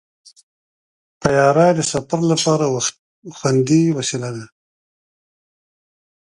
طیاره د سفر لپاره خوندي وسیله ده.